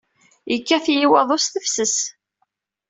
Yekkat-iyi waḍu s tefses.